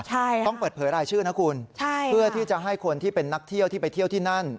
ใช่ค่ะต้องเปิดเผยรายชื่อนะคุณใช่เพื่อที่จะให้คนที่เป็นนักเที่ยวที่ไปเที่ยวที่นั่น